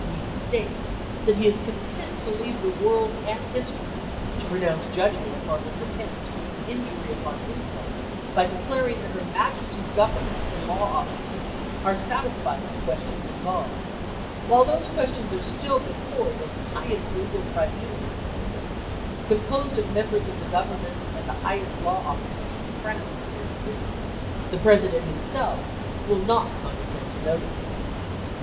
me to state that he is content to leave the world and history to pronounce judgment upon this attempt to heap injury upon insult by declaring that her Majesty's Government and law officers are satisfied of the questions involved, while those questions are still before the highest legal tribunal of the kingdom, composed of members of the Gov ernment and the highest law officers of the crown, for their decision. The President himself will not condescend to notice them."